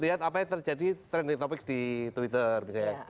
lihat apa yang terjadi trending topic di twitter misalnya